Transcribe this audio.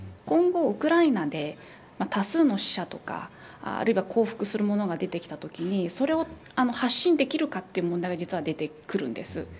今後ウクライナで多数の死者とかあるいは降伏するものが出てきたときにそれを発信できるかという問題が実は出てくるんです。